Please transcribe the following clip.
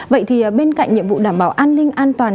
vậy thì bên cạnh nhiệm vụ đảm bảo an ninh an toàn